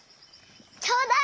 ちょうだい！